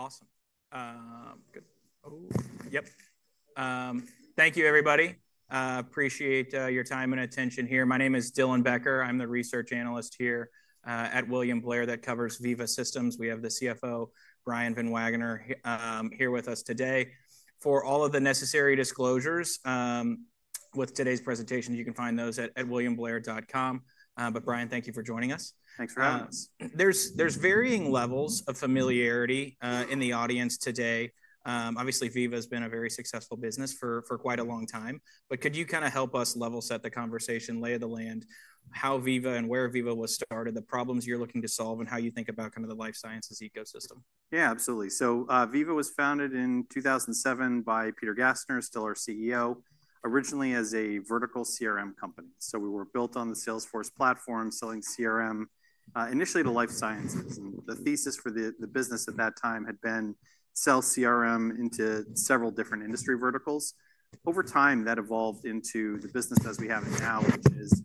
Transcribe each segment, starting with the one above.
Awesome. Good. Oh, yep. Thank you, everybody. Appreciate your time and attention here. My name is Dylan Becker. I'm the research analyst here at William Blair that covers Veeva Systems. We have the CFO, Brian Van Wagener, here with us today. For all of the necessary disclosures with today's presentation, you can find those at WilliamBlair.com Brian, thank you for joining us. Thanks for having us. There's varying levels of familiarity in the audience today. Obviously, Veeva has been a very successful business for quite a long time. Could you kind of help us level set the conversation, lay of the land, how Veeva and where Veeva was started, the problems you're looking to solve, and how you think about kind of the life sciences ecosystem? Yeah, absolutely. Veeva was founded in 2007 by Peter Gassner, still our CEO, originally as a vertical CRM company. We were built on the Salesforce platform, selling CRM, initially to life sciences. The thesis for the business at that time had been to sell CRM into several different industry verticals. Over time, that evolved into the business as we have it now, which is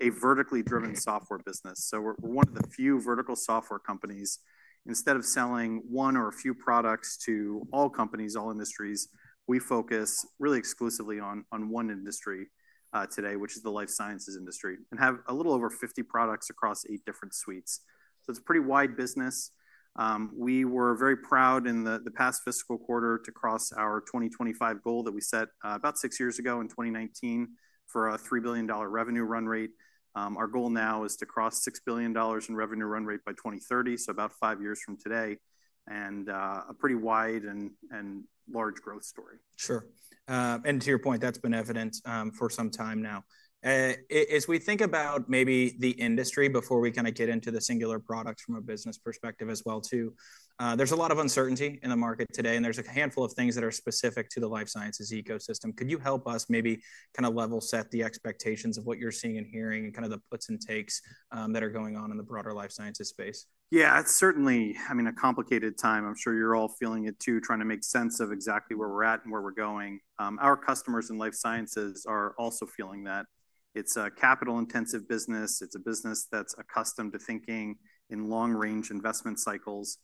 a vertically driven software business. We are one of the few vertical software companies. Instead of selling one or a few products to all companies, all industries, we focus really exclusively on one industry today, which is the life sciences industry, and have a little over 50 products across eight different suites. It is a pretty wide business. We were very proud in the past fiscal quarter to cross our 2025 goal that we set about six years ago in 2019 for a $3 billion revenue run rate. Our goal now is to cross $6 billion in revenue run rate by 2030, so about five years from today, and a pretty wide and large growth story. Sure. To your point, that's been evident for some time now. As we think about maybe the industry before we kind of get into the singular products from a business perspective as well, too, there's a lot of uncertainty in the market today. There's a handful of things that are specific to the life sciences ecosystem. Could you help us maybe kind of level set the expectations of what you're seeing and hearing and kind of the puts and takes that are going on in the broader life sciences space? Yeah, it's certainly, I mean, a complicated time. I'm sure you're all feeling it too, trying to make sense of exactly where we're at and where we're going. Our customers in life sciences are also feeling that. It's a capital-intensive business. It's a business that's accustomed to thinking in long-range investment cycles.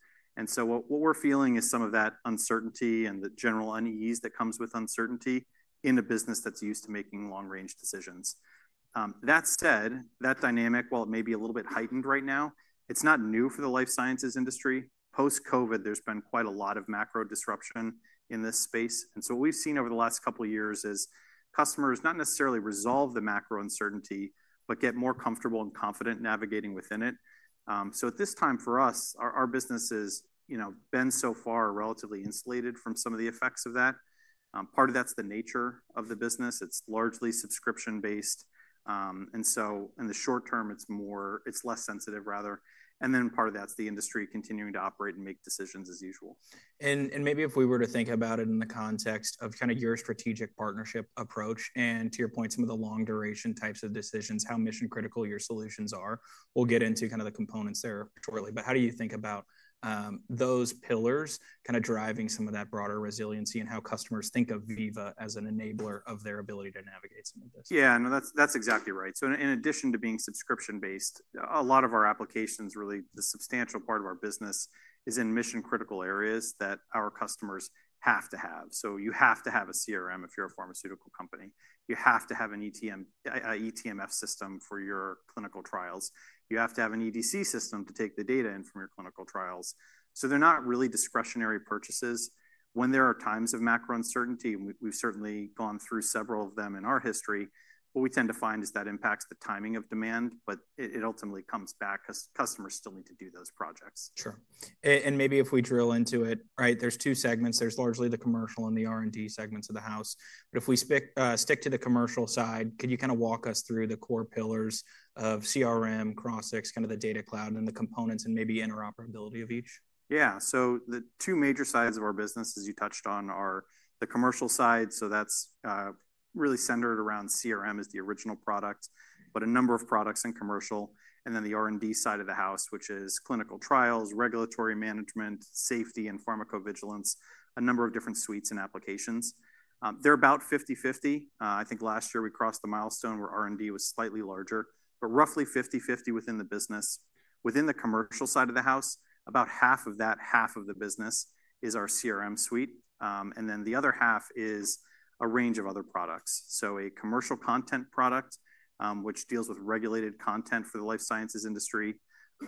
What we're feeling is some of that uncertainty and the general unease that comes with uncertainty in a business that's used to making long-range decisions. That said, that dynamic, while it may be a little bit heightened right now, is not new for the life sciences industry. Post-COVID, there's been quite a lot of macro disruption in this space. What we've seen over the last couple of years is customers not necessarily resolve the macro uncertainty, but get more comfortable and confident navigating within it. At this time for us, our business has been so far relatively insulated from some of the effects of that. Part of that's the nature of the business. It's largely subscription-based. In the short term, it's less sensitive, rather. Part of that's the industry continuing to operate and make decisions as usual. If we were to think about it in the context of kind of your strategic partnership approach and, to your point, some of the long-duration types of decisions, how mission-critical your solutions are, we'll get into kind of the components there shortly. How do you think about those pillars kind of driving some of that broader resiliency and how customers think of Veeva as an enabler of their ability to navigate some of this? Yeah, no, that's exactly right. In addition to being subscription-based, a lot of our applications, really the substantial part of our business, is in mission-critical areas that our customers have to have. You have to have a CRM if you're a pharmaceutical company. You have to have an eTMF system for your clinical trials. You have to have an EDC system to take the data in from your clinical trials. They're not really discretionary purchases. When there are times of macro uncertainty, and we've certainly gone through several of them in our history, what we tend to find is that impacts the timing of demand, but it ultimately comes back because customers still need to do those projects. Sure. Maybe if we drill into it, right, there are two segments. There is largely the commercial and the R&D segments of the house. If we stick to the commercial side, could you kind of walk us through the core pillars of CRM, CrossX, kind of the Data Cloud, and the components and maybe interoperability of each? Yeah. The two major sides of our business, as you touched on, are the commercial side. That's really centered around CRM as the original product, but a number of products in commercial, and then the R&D side of the house, which is clinical trials, regulatory management, safety, and pharmacovigilance, a number of different suites and applications. They're about 50/50. I think last year we crossed the milestone where R&D was slightly larger, but roughly 50/50 within the business. Within the commercial side of the house, about half of that, half of the business is our CRM suite. The other half is a range of other products. A commercial content product, which deals with regulated content for the life sciences industry,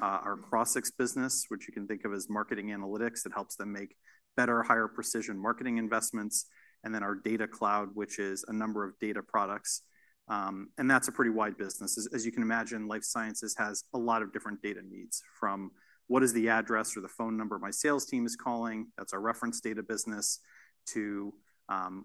our CrossX business, which you can think of as marketing analytics that helps them make better, higher-precision marketing investments, and then our Data Cloud, which is a number of data products. That is a pretty wide business. As you can imagine, life sciences has a lot of different data needs, from what is the address or the phone number my sales team is calling? That is our reference data business, to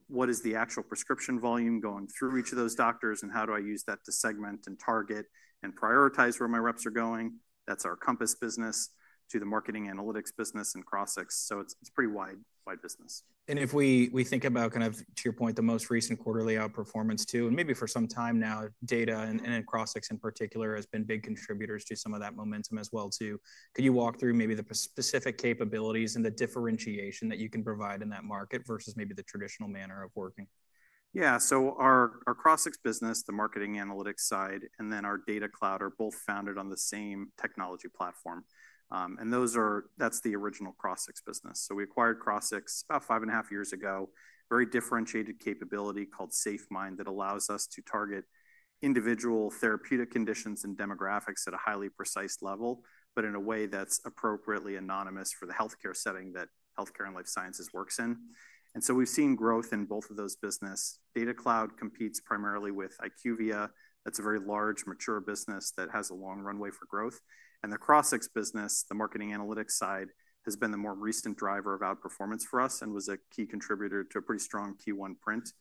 what is the actual prescription volume going through each of those doctors, and how do I use that to segment and target and prioritize where my reps are going? That is our Compass business, to the marketing analytics business and CrossX. It is a pretty wide business. If we think about kind of, to your point, the most recent quarterly outperformance, too, and maybe for some time now, data and CrossX in particular has been big contributors to some of that momentum as well, too. Could you walk through maybe the specific capabilities and the differentiation that you can provide in that market versus maybe the traditional manner of working? Yeah. Our CrossX business, the marketing analytics side, and then our Data Cloud are both founded on the same technology platform. That is the original CrossX business. We acquired CrossX about five and a half years ago, a very differentiated capability called SafeMind that allows us to target individual therapeutic conditions and demographics at a highly precise level, but in a way that is appropriately anonymous for the healthcare setting that healthcare and life sciences works in. We have seen growth in both of those businesses. Data Cloud competes primarily with IQVIA. That is a very large, mature business that has a long runway for growth. The CrossX business, the marketing analytics side, has been the more recent driver of outperformance for us and was a key contributor to a pretty strong Q1 prints.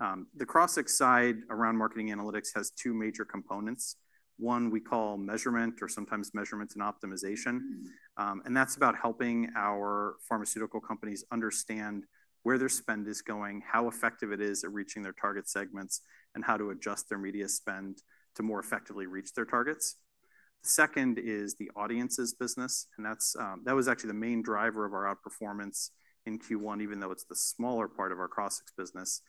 The CrossX side around marketing analytics has two major components. One we call measurement, or sometimes measurement and optimization. That is about helping our pharmaceutical companies understand where their spend is going, how effective it is at reaching their target segments, and how to adjust their media spend to more effectively reach their targets. The second is the Audiences business. That was actually the main driver of our outperformance in Q1, even though it is the smaller part of our CrossX business.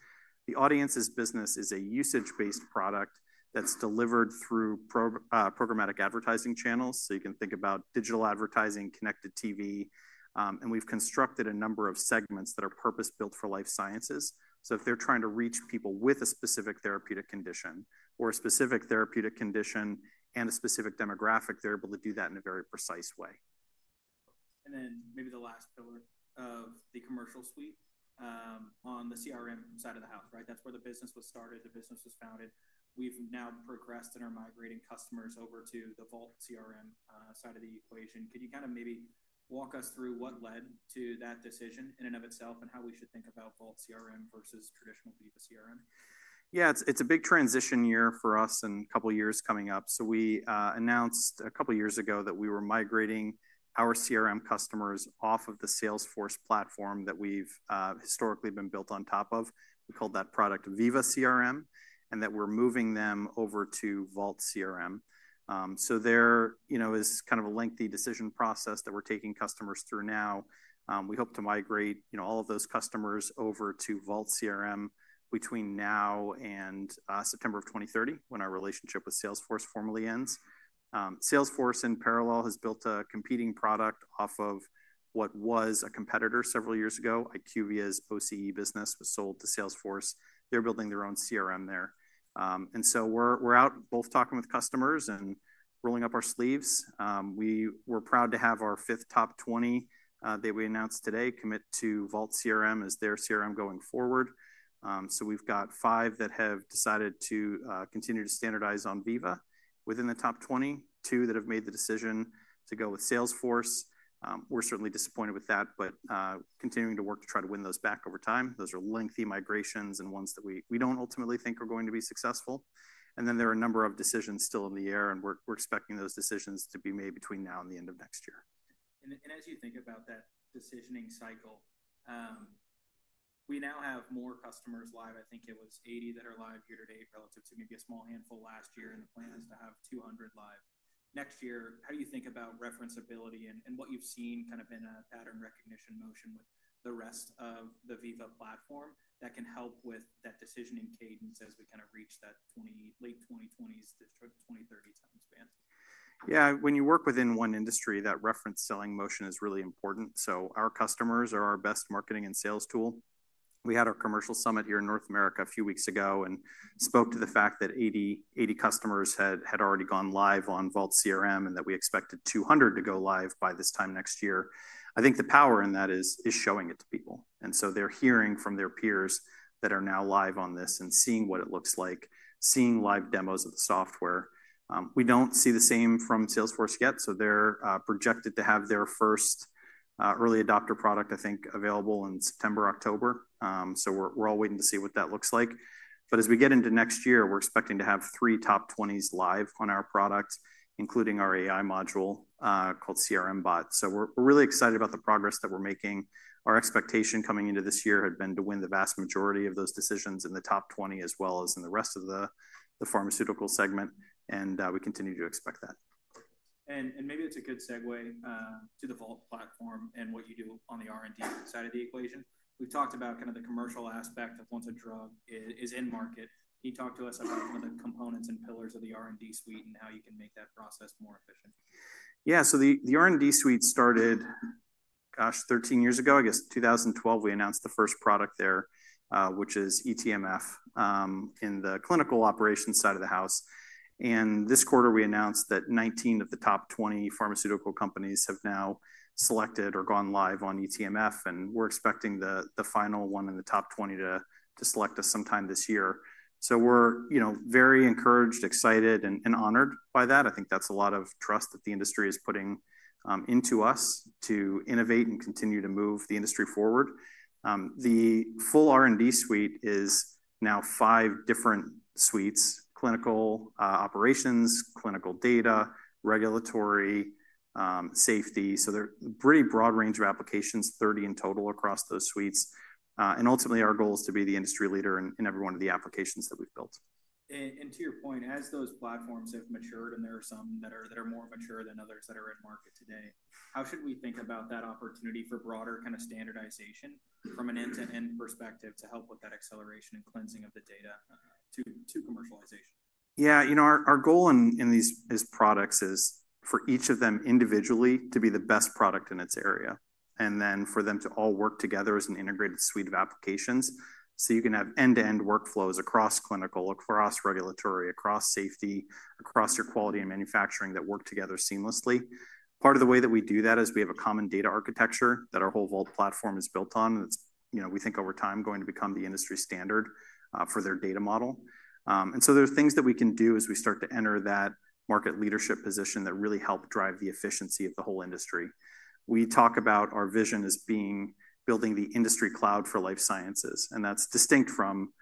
The Audiences business is a usage-based product that is delivered through programmatic advertising channels. You can think about digital advertising, connected TV. We have constructed a number of segments that are purpose-built for life sciences. If they are trying to reach people with a specific therapeutic condition or a specific therapeutic condition and a specific demographic, they are able to do that in a very precise way. Maybe the last pillar of the commercial suite on the CRM side of the house, right? That's where the business was started. The business was founded. We've now progressed and are migrating customers over to the Vault CRM side of the equation. Could you kind of maybe walk us through what led to that decision in and of itself and how we should think about Vault CRM versus Traditional Veeva CRM? Yeah, it's a big transition year for us and a couple of years coming up. We announced a couple of years ago that we were migrating our CRM customers off of the Salesforce platform that we've historically been built on top of. We called that product Veeva CRM and that we're moving them over to Vault CRM. There is kind of a lengthy decision process that we're taking customers through now. We hope to migrate all of those customers over to Vault CRM between now and September of 2030 when our relationship with Salesforce formally ends. Salesforce, in parallel, has built a competing product off of what was a competitor several years ago. IQVIA's OCE business was sold to Salesforce. They're building their own CRM there. We're out both talking with customers and rolling up our sleeves. We were proud to have our fifth top 20 that we announced today commit to Vault CRM as their CRM going forward. We have five that have decided to continue to standardize on Veeva within the top 20, two that have made the decision to go with Salesforce. We are certainly disappointed with that, but continuing to work to try to win those back over time. Those are lengthy migrations and ones that we do not ultimately think are going to be successful. There are a number of decisions still in the air, and we are expecting those decisions to be made between now and the end of next year. As you think about that decisioning cycle, we now have more customers live. I think it was 80 that are live here today relative to maybe a small handful last year, and the plan is to have 200 live next year. How do you think about referenceability and what you've seen kind of in a pattern recognition motion with the rest of the Veeva platform that can help with that decisioning cadence as we kind of reach that late 2020s to 2030 time span? Yeah, when you work within one industry, that reference selling motion is really important. So our customers are our best marketing and sales tool. We had our commercial summit here in North America a few weeks ago and spoke to the fact that 80 customers had already gone live on Vault CRM and that we expected 200 to go live by this time next year. I think the power in that is showing it to people. And so they're hearing from their peers that are now live on this and seeing what it looks like, seeing live demos of the software. We do not see the same from Salesforce yet. So they're projected to have their first early adopter product, I think, available in September, October. So we're all waiting to see what that looks like. As we get into next year, we're expecting to have three top 20s live on our product, including our AI module called CRM Bot. We're really excited about the progress that we're making. Our expectation coming into this year had been to win the vast majority of those decisions in the top 20, as well as in the rest of the pharmaceutical segment. We continue to expect that. Maybe that's a good segue to the Vault platform and what you do on the R&D side of the equation. We've talked about kind of the commercial aspect of once a drug is in market. Can you talk to us about some of the components and pillars of the R&D suite and how you can make that process more efficient? Yeah, so the R&D suite started, gosh, 13 years ago. I guess 2012, we announced the first product there, which is eTMF in the clinical operations side of the house. This quarter, we announced that 19 of the top 20 pharmaceutical companies have now selected or gone live on eTMF. We are expecting the final one in the top 20 to select us sometime this year. We are very encouraged, excited, and honored by that. I think that is a lot of trust that the industry is putting into us to innovate and continue to move the industry forward. The full R&D suite is now five different suites: clinical operations, clinical data, regulatory, safety. They are a pretty broad range of applications, 30 in total across those suites. Ultimately, our goal is to be the industry leader in every one of the applications that we have built. To your point, as those platforms have matured and there are some that are more mature than others that are in market today, how should we think about that opportunity for broader kind of standardization from an end-to-end perspective to help with that acceleration and cleansing of the data to commercialization? Yeah, you know, our goal in these products is for each of them individually to be the best product in its area, and then for them to all work together as an integrated suite of applications. You can have end-to-end workflows across clinical, across regulatory, across safety, across your quality and manufacturing that work together seamlessly. Part of the way that we do that is we have a common data architecture that our whole Vault platform is built on. It's, you know, we think over time going to become the industry standard for their data model. There are things that we can do as we start to enter that market leadership position that really help drive the efficiency of the whole industry. We talk about our vision as being building the industry cloud for life sciences. That's distinct from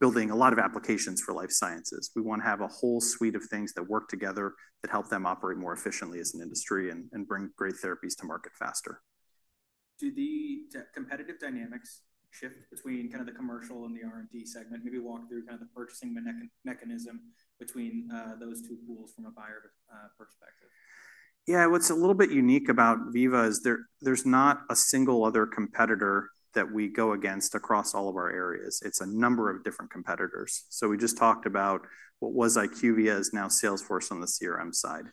building a lot of applications for life sciences. We want to have a whole suite of things that work together that help them operate more efficiently as an industry and bring great therapies to market faster. Do the competitive dynamics shift between kind of the commercial and the R&D segment? Maybe walk through kind of the purchasing mechanism between those two pools from a buyer perspective. Yeah, what's a little bit unique about Veeva is there's not a single other competitor that we go against across all of our areas. It's a number of different competitors. We just talked about what was IQVIA is now Salesforce on the CRM side.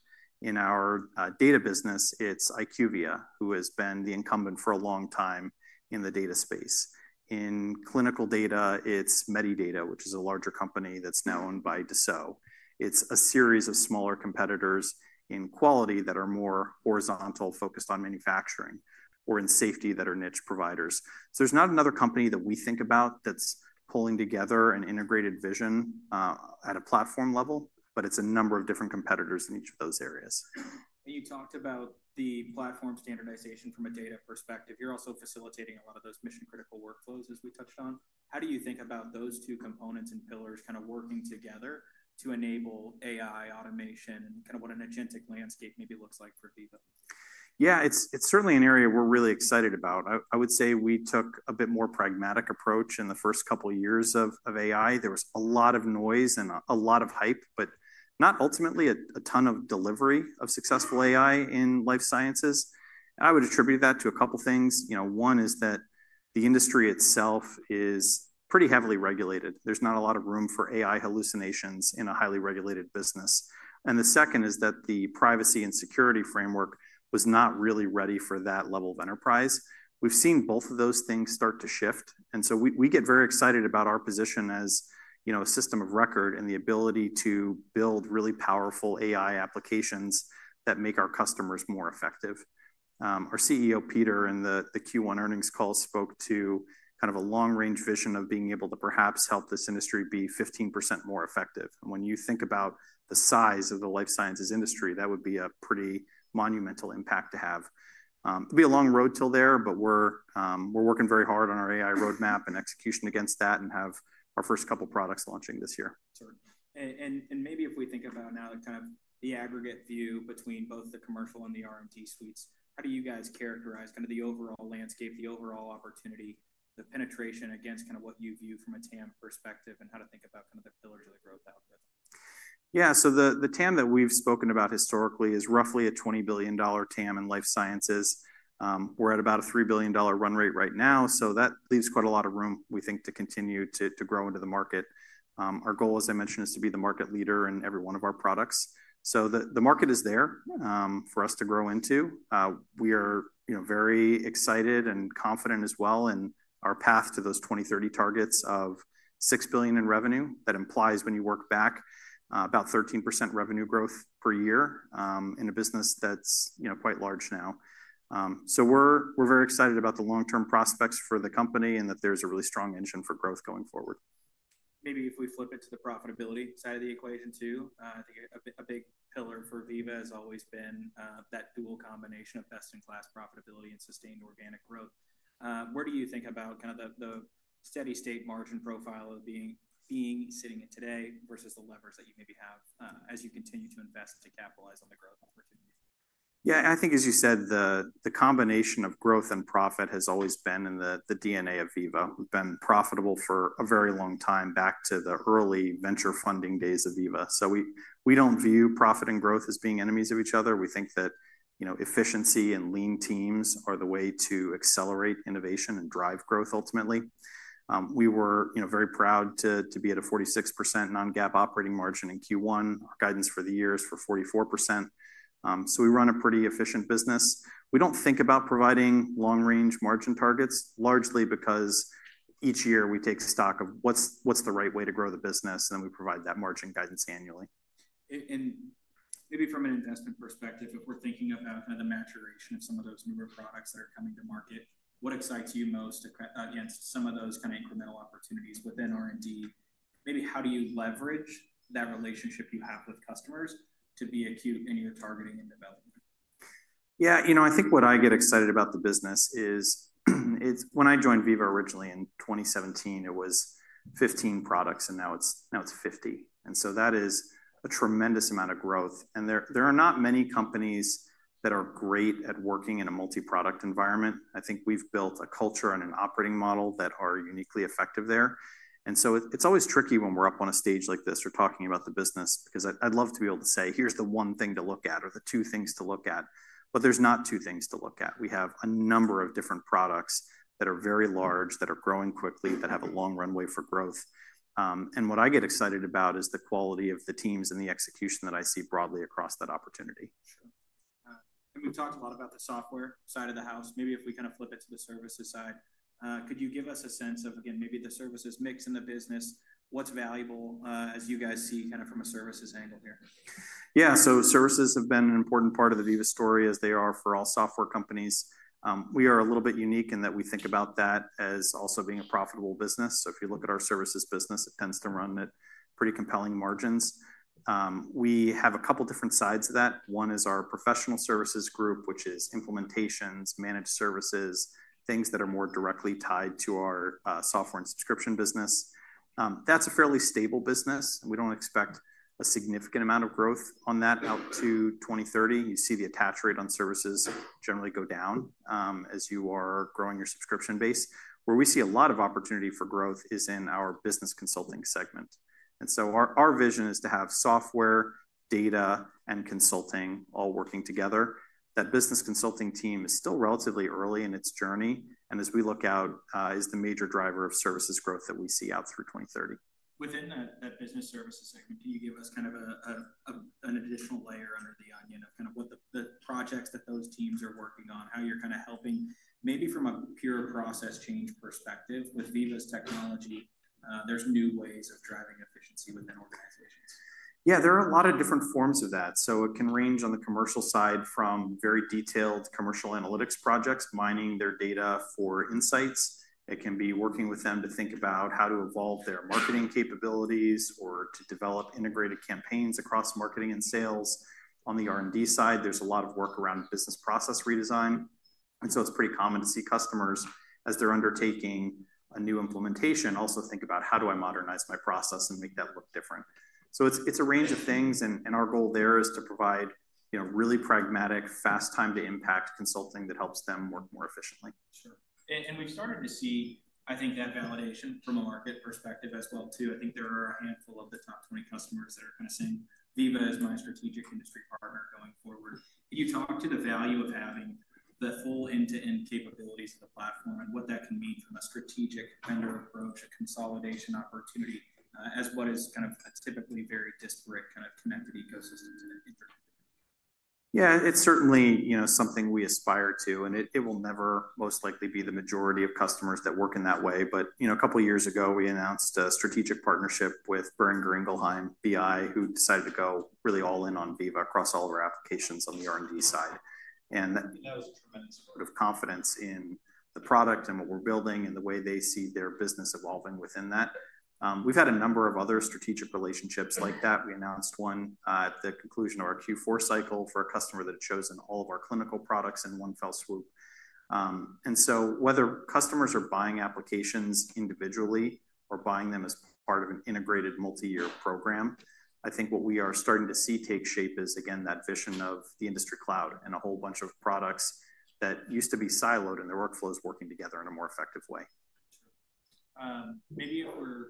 In our data business, it's IQVIA who has been the incumbent for a long time in the data space. In clinical data, it's Medidata, which is a larger company that's now owned by Dassault. It's a series of smaller competitors in quality that are more horizontal, focused on manufacturing, or in safety that are niche providers. There's not another company that we think about that's pulling together an integrated vision at a platform level, but it's a number of different competitors in each of those areas. You talked about the platform standardization from a data perspective. You're also facilitating a lot of those mission-critical workflows, as we touched on. How do you think about those two components and pillars kind of working together to enable AI automation and kind of what an agentic landscape maybe looks like for Veeva? Yeah, it's certainly an area we're really excited about. I would say we took a bit more pragmatic approach in the first couple of years of AI. There was a lot of noise and a lot of hype, but not ultimately a ton of delivery of successful AI in life sciences. I would attribute that to a couple of things. One is that the industry itself is pretty heavily regulated. There's not a lot of room for AI hallucinations in a highly regulated business. The second is that the privacy and security framework was not really ready for that level of enterprise. We've seen both of those things start to shift. We get very excited about our position as a system of record and the ability to build really powerful AI applications that make our customers more effective. Our CEO, Peter, in the Q1 earnings call spoke to kind of a long-range vision of being able to perhaps help this industry be 15% more effective. When you think about the size of the life sciences industry, that would be a pretty monumental impact to have. It'd be a long road till there, but we're working very hard on our AI roadmap and execution against that and have our first couple of products launching this year. If we think about now kind of the aggregate view between both the commercial and the R&D suites, how do you guys characterize kind of the overall landscape, the overall opportunity, the penetration against kind of what you view from a TAM perspective and how to think about kind of the pillars of the growth algorithm? Yeah, so the TAM that we've spoken about historically is roughly a $20 billion TAM in life sciences. We're at about a $3 billion run rate right now. That leaves quite a lot of room, we think, to continue to grow into the market. Our goal, as I mentioned, is to be the market leader in every one of our products. The market is there for us to grow into. We are very excited and confident as well in our path to those 2030 targets of $6 billion in revenue. That implies when you work back about 13% revenue growth per year in a business that's quite large now. We are very excited about the long-term prospects for the company and that there's a really strong engine for growth going forward. Maybe if we flip it to the profitability side of the equation too, I think a big pillar for Veeva has always been that dual combination of best-in-class profitability and sustained organic growth. Where do you think about kind of the steady-state margin profile of being sitting in today versus the levers that you maybe have as you continue to invest to capitalize on the growth opportunity? Yeah, I think, as you said, the combination of growth and profit has always been in the DNA of Veeva. We've been profitable for a very long time back to the early venture funding days of Veeva. We do not view profit and growth as being enemies of each other. We think that efficiency and lean teams are the way to accelerate innovation and drive growth ultimately. We were very proud to be at a 46% non-GAAP operating margin in Q1. Our guidance for the year is for 44%. We run a pretty efficient business. We do not think about providing long-range margin targets largely because each year we take stock of what is the right way to grow the business, and then we provide that margin guidance annually. Maybe from an investment perspective, if we're thinking about kind of the maturation of some of those newer products that are coming to market, what excites you most against some of those kind of incremental opportunities within R&D? Maybe how do you leverage that relationship you have with customers to be acute in your targeting and development? Yeah, you know, I think what I get excited about the business is when I joined Veeva originally in 2017, it was 15 products, and now it's 50. That is a tremendous amount of growth. There are not many companies that are great at working in a multi-product environment. I think we've built a culture and an operating model that are uniquely effective there. It is always tricky when we're up on a stage like this or talking about the business because I'd love to be able to say, here's the one thing to look at or the two things to look at. There is not two things to look at. We have a number of different products that are very large, that are growing quickly, that have a long runway for growth. What I get excited about is the quality of the teams and the execution that I see broadly across that opportunity. We've talked a lot about the software side of the house. Maybe if we kind of flip it to the services side, could you give us a sense of, again, maybe the services mix in the business, what's valuable as you guys see kind of from a services angle here? Yeah, so services have been an important part of the Veeva story as they are for all software companies. We are a little bit unique in that we think about that as also being a profitable business. If you look at our services business, it tends to run at pretty compelling margins. We have a couple of different sides of that. One is our professional services group, which is implementations, managed services, things that are more directly tied to our software and subscription business. That is a fairly stable business. We do not expect a significant amount of growth on that out to 2030. You see the attach rate on services generally go down as you are growing your subscription base. Where we see a lot of opportunity for growth is in our business consulting segment. Our vision is to have software, data, and consulting all working together. That business consulting team is still relatively early in its journey. As we look out, it is the major driver of services growth that we see out through 2030. Within that business services segment, can you give us kind of an additional layer under the onion of kind of what the projects that those teams are working on, how you're kind of helping maybe from a pure process change perspective with Veeva's technology, there's new ways of driving efficiency within organizations? Yeah, there are a lot of different forms of that. It can range on the commercial side from very detailed commercial analytics projects, mining their data for insights. It can be working with them to think about how to evolve their marketing capabilities or to develop integrated campaigns across marketing and sales. On the R&D side, there is a lot of work around business process redesign. It is pretty common to see customers as they are undertaking a new implementation also think about how do I modernize my process and make that look different. It is a range of things. Our goal there is to provide really pragmatic, fast time-to-impact consulting that helps them work more efficiently. We've started to see, I think, that validation from a market perspective as well too. I think there are a handful of the top 20 customers that are kind of saying, Veeva is my strategic industry partner going forward. Can you talk to the value of having the full end-to-end capabilities of the platform and what that can mean from a strategic vendor approach, a consolidation opportunity as what is kind of a typically very disparate kind of connected ecosystem? Yeah, it's certainly something we aspire to. It will never most likely be the majority of customers that work in that way. A couple of years ago, we announced a strategic partnership with Boehringer Ingelheim, BI, who decided to go really all in on Veeva across all of our applications on the R&D side. That was a tremendous sort of confidence in the product and what we're building and the way they see their business evolving within that. We've had a number of other strategic relationships like that. We announced one at the conclusion of our Q4 cycle for a customer that had chosen all of our clinical products in one fell swoop. Whether customers are buying applications individually or buying them as part of an integrated multi-year program, I think what we are starting to see take shape is, again, that vision of the industry cloud and a whole bunch of products that used to be siloed and their workflows working together in a more effective way. Maybe if we're...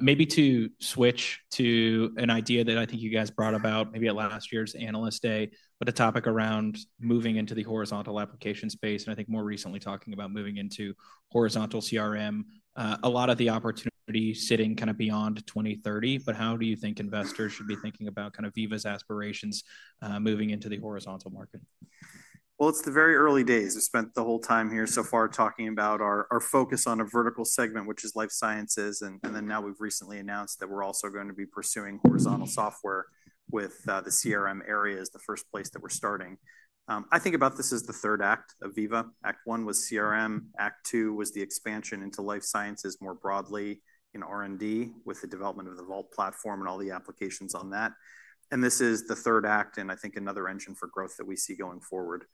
Maybe to switch to an idea that I think you guys brought about maybe at last year's analyst day, but a topic around moving into the horizontal application space. I think more recently talking about moving into horizontal CRM, a lot of the opportunity sitting kind of beyond 2030. How do you think investors should be thinking about kind of Veeva's aspirations moving into the horizontal market? It is the very early days. We've spent the whole time here so far talking about our focus on a vertical segment, which is life sciences. Now we've recently announced that we're also going to be pursuing horizontal software with the CRM area as the first place that we're starting. I think about this as the third act of Veeva. Act one was CRM. Act two was the expansion into life sciences more broadly in R&D with the development of the Vault platform and all the applications on that. This is the third act and I think another engine for growth that we see going forward.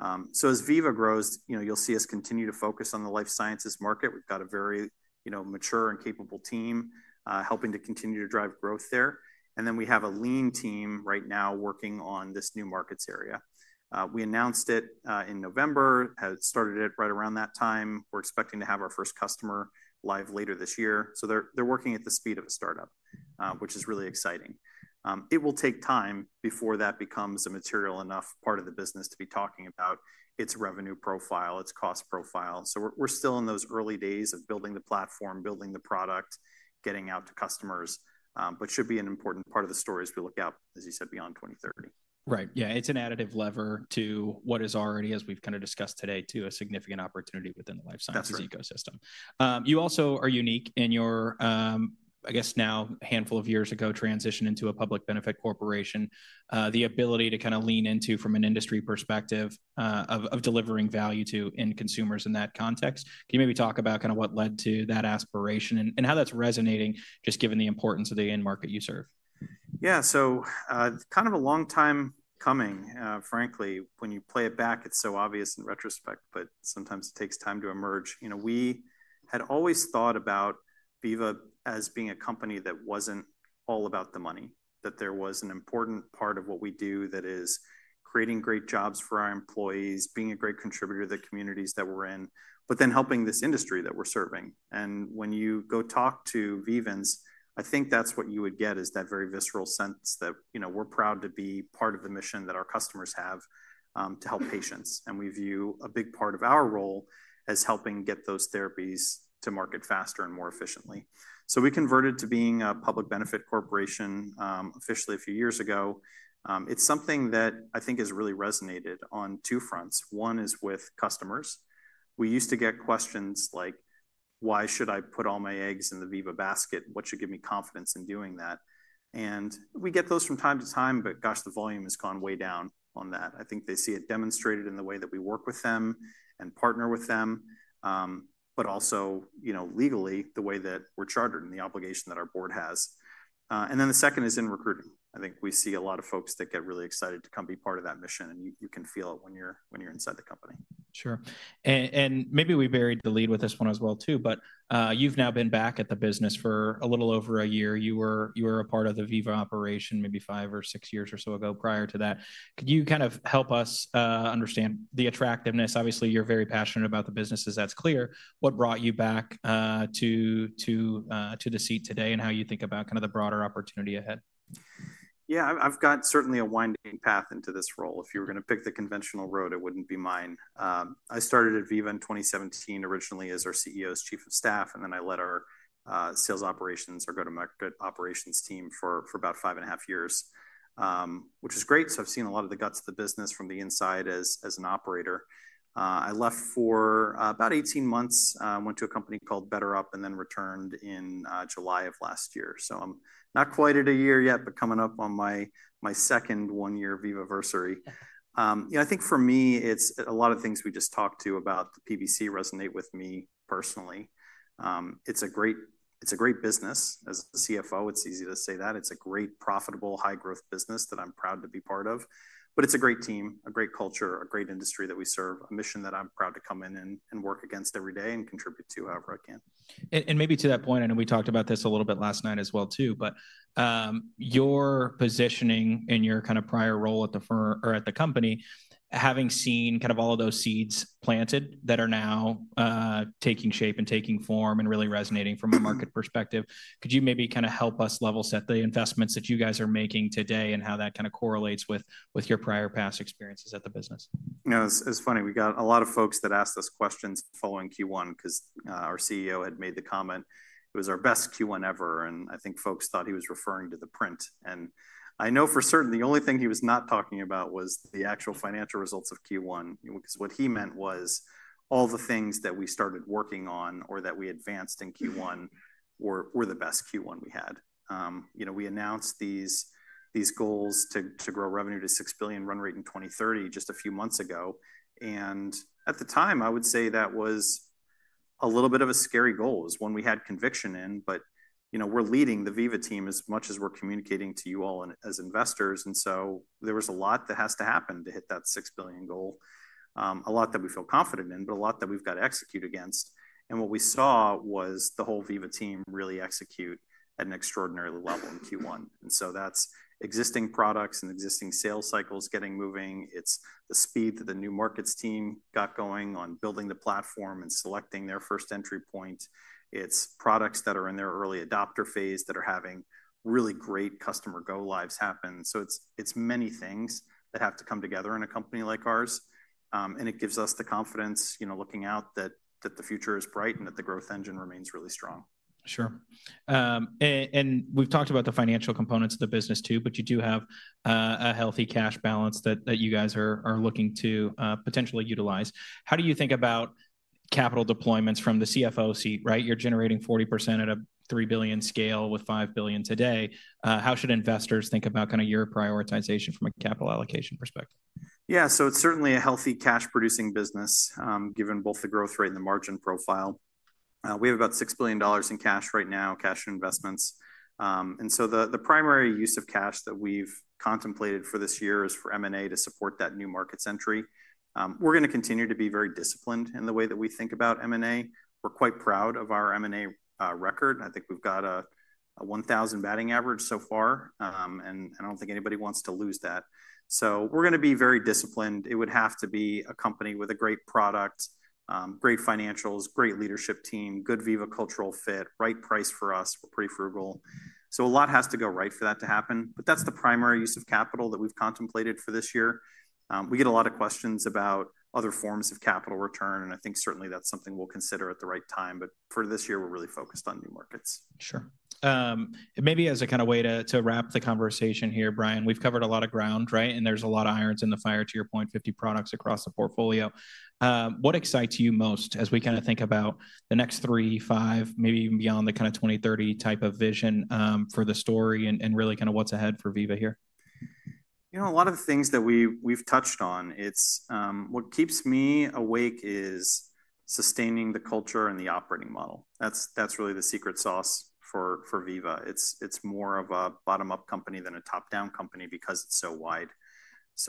As Veeva grows, you'll see us continue to focus on the life sciences market. We've got a very mature and capable team helping to continue to drive growth there. We have a lean team right now working on this new markets area. We announced it in November, started it right around that time. We're expecting to have our first customer live later this year. They're working at the speed of a startup, which is really exciting. It will take time before that becomes a material enough part of the business to be talking about its revenue profile, its cost profile. We're still in those early days of building the platform, building the product, getting out to customers, but should be an important part of the story as we look out, as you said, beyond 2030. Right. Yeah, it's an additive lever to what is already, as we've kind of discussed today, a significant opportunity within the life sciences ecosystem. You also are unique in your, I guess now a handful of years ago, transition into a public benefit corporation, the ability to kind of lean into from an industry perspective of delivering value to end consumers in that context. Can you maybe talk about kind of what led to that aspiration and how that's resonating just given the importance of the end market you serve? Yeah, kind of a long time coming, frankly. When you play it back, it's so obvious in retrospect, but sometimes it takes time to emerge. We had always thought about Veeva as being a company that wasn't all about the money, that there was an important part of what we do that is creating great jobs for our employees, being a great contributor to the communities that we're in, but then helping this industry that we're serving. When you go talk to Veevans, I think that's what you would get is that very visceral sense that we're proud to be part of the mission that our customers have to help patients. We view a big part of our role as helping get those therapies to market faster and more efficiently. We converted to being a public benefit corporation officially a few years ago. It's something that I think has really resonated on two fronts. One is with customers. We used to get questions like, why should I put all my eggs in the Veeva basket? What should give me confidence in doing that? We get those from time to time, but gosh, the volume has gone way down on that. I think they see it demonstrated in the way that we work with them and partner with them, but also legally the way that we're chartered and the obligation that our board has. The second is in recruiting. I think we see a lot of folks that get really excited to come be part of that mission. You can feel it when you're inside the company. Sure. Maybe we buried the lead with this one as well too, but you've now been back at the business for a little over a year. You were a part of the Veeva operation maybe five or six years or so ago prior to that. Could you kind of help us understand the attractiveness? Obviously, you're very passionate about the businesses. That's clear. What brought you back to the seat today and how you think about kind of the broader opportunity ahead? Yeah, I've got certainly a winding path into this role. If you were going to pick the conventional road, it wouldn't be mine. I started at Veeva in 2017 originally as our CEO's chief of staff, and then I led our sales operations or go-to-market operations team for about five and a half years, which is great. So I've seen a lot of the guts of the business from the inside as an operator. I left for about 18 months, went to a company called BetterUp, and then returned in July of last year. I'm not quite at a year yet, but coming up on my second one-year Veeva versary. I think for me, it's a lot of things we just talked about with the PVC resonate with me personally. It's a great business. As the CFO, it's easy to say that. It's a great, profitable, high-growth business that I'm proud to be part of. It's a great team, a great culture, a great industry that we serve, a mission that I'm proud to come in and work against every day and contribute to however I can. Maybe to that point, I know we talked about this a little bit last night as well too, but your positioning in your kind of prior role at the firm or at the company, having seen kind of all of those seeds planted that are now taking shape and taking form and really resonating from a market perspective, could you maybe kind of help us level set the investments that you guys are making today and how that kind of correlates with your prior past experiences at the business? It's funny. We got a lot of folks that asked us questions following Q1 because our CEO had made the comment it was our best Q1 ever. I think folks thought he was referring to the print. I know for certain the only thing he was not talking about was the actual financial results of Q1 because what he meant was all the things that we started working on or that we advanced in Q1 were the best Q1 we had. We announced these goals to grow revenue to $6 billion run rate in 2030 just a few months ago. At the time, I would say that was a little bit of a scary goal, it is one we had conviction in, but we are leading the Veeva team as much as we are communicating to you all as investors. There was a lot that has to happen to hit that $6 billion goal, a lot that we feel confident in, but a lot that we've got to execute against. What we saw was the whole Veeva team really execute at an extraordinary level in Q1. That's existing products and existing sales cycles getting moving. It's the speed that the new markets team got going on building the platform and selecting their first entry point. It's products that are in their early adopter phase that are having really great customer go-lives happen. It's many things that have to come together in a company like ours. It gives us the confidence looking out that the future is bright and that the growth engine remains really strong. Sure. We've talked about the financial components of the business too, but you do have a healthy cash balance that you guys are looking to potentially utilize. How do you think about capital deployments from the CFO seat? You're generating 40% at a $3 billion scale with $5 billion today. How should investors think about kind of your prioritization from a capital allocation perspective? Yeah, so it's certainly a healthy cash-producing business given both the growth rate and the margin profile. We have about $6 billion in cash right now, cash investments. The primary use of cash that we've contemplated for this year is for M&A to support that new markets entry. We're going to continue to be very disciplined in the way that we think about M&A. We're quite proud of our M&A record. I think we've got a 1,000 batting average so far. I don't think anybody wants to lose that. We're going to be very disciplined. It would have to be a company with a great product, great financials, great leadership team, good Veeva cultural fit, right price for us, pretty frugal. A lot has to go right for that to happen. That's the primary use of capital that we've contemplated for this year. We get a lot of questions about other forms of capital return. I think certainly that's something we'll consider at the right time. For this year, we're really focused on new markets. Sure. Maybe as a kind of way to wrap the conversation here, Brian, we've covered a lot of ground, right? There's a lot of irons in the fire, to your point, 50 products across the portfolio. What excites you most as we kind of think about the next three, five, maybe even beyond the kind of 2030 type of vision for the story and really kind of what's ahead for Veeva here? You know, a lot of the things that we've touched on, what keeps me awake is sustaining the culture and the operating model. That's really the secret sauce for Veeva. It's more of a bottom-up company than a top-down company because it's so wide.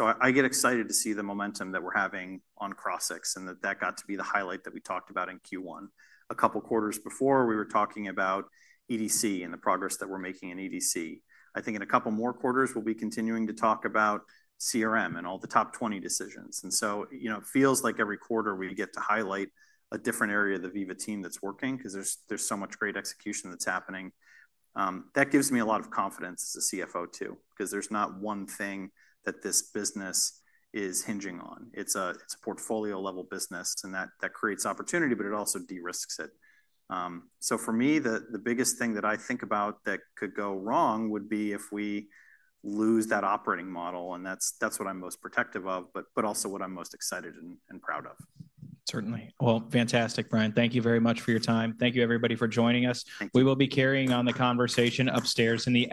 I get excited to see the momentum that we're having on CrossX and that that got to be the highlight that we talked about in Q1. A couple of quarters before, we were talking about EDC and the progress that we're making in EDC. I think in a couple more quarters, we'll be continuing to talk about CRM and all the top 20 decisions. It feels like every quarter we get to highlight a different area of the Veeva team that's working because there's so much great execution that's happening. That gives me a lot of confidence as a CFO too because there's not one thing that this business is hinging on. It's a portfolio-level business and that creates opportunity, but it also de risks it. For me, the biggest thing that I think about that could go wrong would be if we lose that operating model. That's what I'm most protective of, but also what I'm most excited and proud of. Certainly. Fantastic, Brian. Thank you very much for your time. Thank you, everybody, for joining us. We will be carrying on the conversation upstairs.